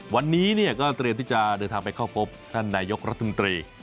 วันนี้ก็เตรียมที่จะเดินทางไปเข้าพบท่านนายกรัฐมนตรี